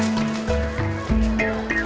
bisa sudah ada